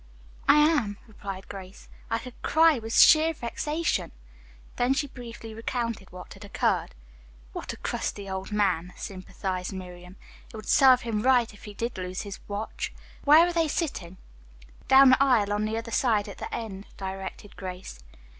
"I am," replied Grace. "I could cry with sheer vexation." Then she briefly recounted what had occurred. "What a crusty old man," sympathized Miriam. "It would serve him right if he did lose his old watch. Where are they sitting?" "Down the aisle on the other side at the end," directed Grace.